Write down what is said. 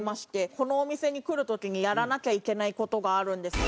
このお店に来る時にやらなきゃいけない事があるんです。